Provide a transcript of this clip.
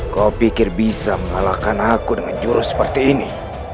kau pikir bisa mengalahkan aku dengan jurus seperti ini